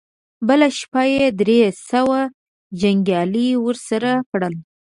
بله شپه يې درې سوه جنګيالي ور سره کړل.